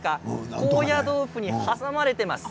高野豆腐に挟まれています。